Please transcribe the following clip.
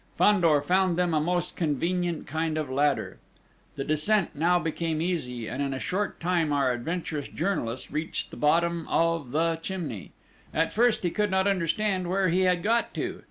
Fandor found them a most convenient kind of ladder. The descent now became easy, and in a short time our adventurous journalist reached the bottom of the chimney. At first he could not understand where he had got to.